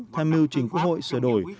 theo mưu trình quốc hội sửa đổi